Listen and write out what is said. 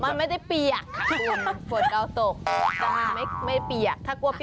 มันไม่ได้เปียก